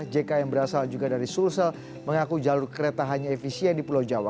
jk yang berasal juga dari sulsel mengaku jalur kereta hanya efisien di pulau jawa